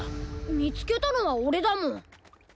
みつけたのはオレだもん。